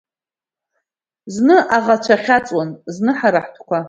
Зны аӷацәа хьаҵуан, зны ҳара ҳтәқәа.